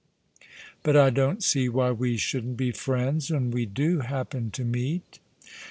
" But I don't see why we shouldn't be friends when we do happen to meet."